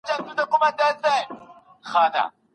وروستۍ ورځ